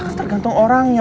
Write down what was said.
ya kan tergantung orangnya